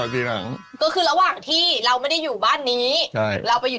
ใช่ค่ะ